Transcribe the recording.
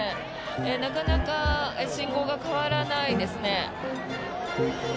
なかなか信号が変わらないですね。